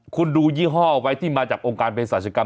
คุณดูยี่ห้อไว้ที่มาจากองค์การเพศรัชกรรม